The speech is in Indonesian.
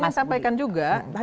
saya ingin sampaikan juga